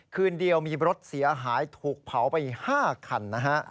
คืนเดียวมีรถเสียหายถูกเผาไป๕คันนะฮะ